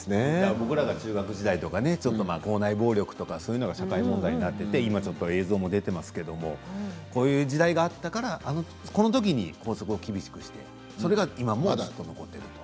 僕らが中学時代とか校内暴力とかそういうのが社会問題で映像も今、出ていますけれどもこういう時代があったからこのときに校則を厳しくしてそれが今もずっと残っていると。